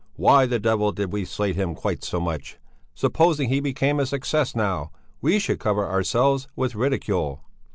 "Why the devil did we slate him quite so much! Supposing he became a success now! We should cover ourselves with ridicule."